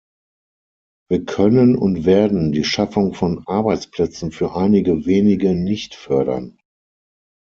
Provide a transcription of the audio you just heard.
Wir können und werden die Schaffung von Arbeitsplätzen für einige wenige nicht fördern.